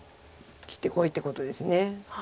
切ってこいってことです。